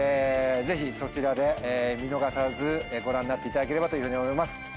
ぜひそちらで見逃さずご覧になっていただければと思います。